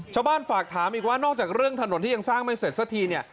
ฝากถามอีกว่านอกจากเรื่องถนนที่ยังสร้างไม่เสร็จสักทีเนี่ย